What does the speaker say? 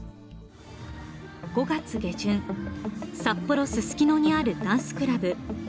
５月下旬、札幌・ススキノにあるダンスクラブ。